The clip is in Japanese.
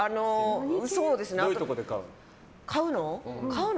どういうところで買うの？